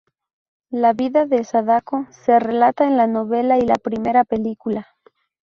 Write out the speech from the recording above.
La vida de Sadako se relata en la novela y la primera película.